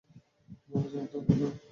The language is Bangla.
ক্ষমা চাওয়ার দরকার নেই, আলফ্রেড।